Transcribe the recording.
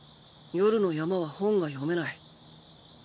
夜の山は本が読めない。